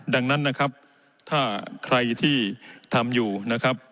ดังนั้นนะครับถ้าใครที่ทำอยู่นะครับ